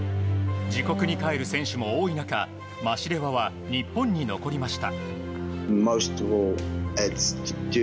自国に帰る選手も多い中マシレワは日本に残りました。